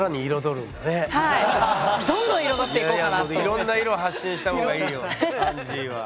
いろんな色発信したほうがいいよアンジーは。